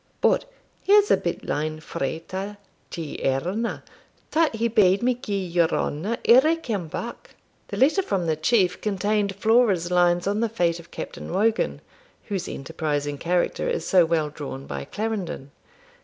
But here's a bit line frae ta Tighearna, tat he bade me gie your honour ere I came back.' The letter from the Chief contained Flora's lines on the fate of Captain Wogan, whose enterprising character is so well drawn by Clarendon.